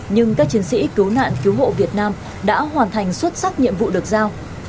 nhưng các chiến sĩ cứu nạn cứu hộ việt nam đã hoàn thành xuất sắc nhiệm vụ được giao